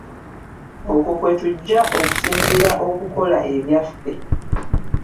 Okwo kwe tujja okusinziira okukola ebyaffe.